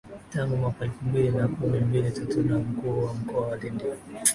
tangu mwaka elfu mbili na kumi mbili tatuna mkuu wa mkoa wa Lindi